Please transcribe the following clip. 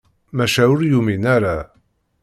Maca ur yumin ara.